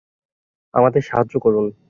আমাদের সাহায্য করুন!